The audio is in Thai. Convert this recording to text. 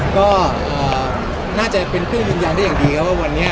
ก็น่าจะเป็นห้อกุ้งยืนยังได้ก็ดีค่ะว่าวันนี้